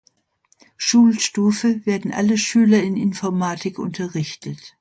Schulstufe werden alle Schüler in Informatik unterrichtet.